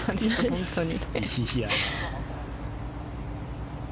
本当に。